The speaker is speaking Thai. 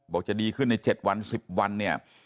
จะดีขึ้นใน๗วัน๑๐วันเนี่ย